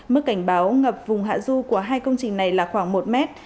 mức cảnh báo ngập vùng hạ du của hai công trình này là khoảng một mét